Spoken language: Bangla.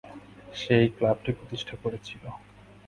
সে এই ক্লাবটি প্রতিষ্ঠা করেছিল।